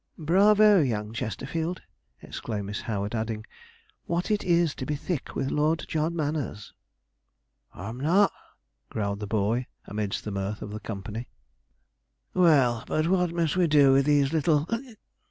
'Bravo, young Chesterfield!' exclaimed Miss Howard; adding, 'what it is to be thick with Lord John Manners!' 'Ar'm not,' growled the boy, amidst the mirth of the company. 'Well, but what must we do with these little?'